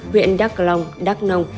huyện đắk long đắk nông